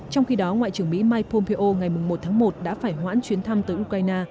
trong khi đó ngoại trưởng mỹ mike pompeo ngày một tháng một đã phải hoãn chuyến thăm tới ukraine